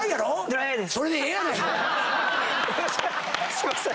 すいません。